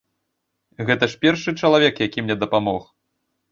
Гэта ж першы чалавек, які мне дапамог.